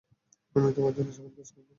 আমিও তোমার জন্য সমান কাজ করবো!